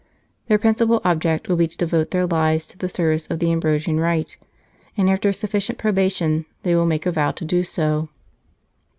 Their principal object will be to devote their lives to the service of the Ambrosian Rite, and after a sufficient probation they will make a vow to do so.